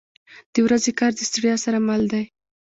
• د ورځې کار د ستړیا سره مل دی.